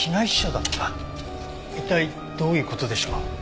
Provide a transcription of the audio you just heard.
一体どういう事でしょう？